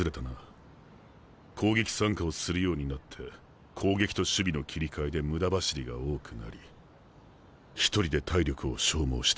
攻撃参加をするようになって攻撃と守備の切り替えで無駄走りが多くなり一人で体力を消耗した。